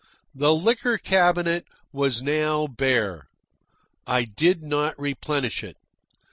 The liquor cabinet was now bare. I did not replenish it.